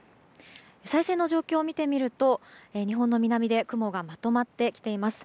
最新の状況を見てみると日本の南で雲がまとまってきています。